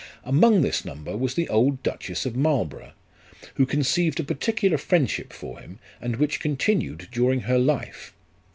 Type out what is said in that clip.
Among this number was the old Duchess of Marlborough, who conceived a particular friendship for him, and which continued during her life.